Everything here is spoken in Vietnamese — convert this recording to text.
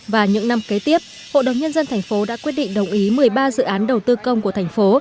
và những năm kế tiếp hội đồng nhân dân tp đã quyết định đồng ý một mươi ba dự án đầu tư công của tp